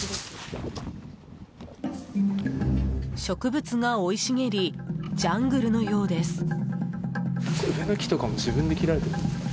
植物が生い茂りジャングルのようです。